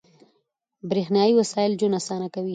• برېښنايي وسایل ژوند اسانه کوي.